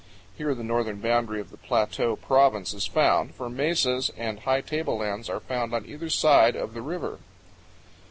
Here the northern boundary of the Plateau Province is found, for mesas and high table lands are found on either side of the river.